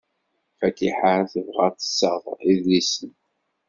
Fatiḥa tebɣa ad d-tseɣ idlisen.